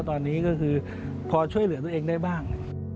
ตอนนี้ก็คือพอช่วยเหลือตัวเองได้บ้าง